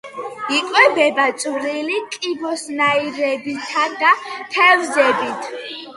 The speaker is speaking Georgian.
იკვებება წვრილი კიბოსნაირებითა და თევზებით.